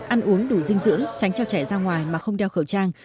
ăn uống đủ dinh dưỡng tránh cho trẻ ra ngoài mà không đeo khẩu trang